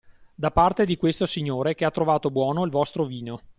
Da parte di questo signore che ha trovato buono il vostro vino.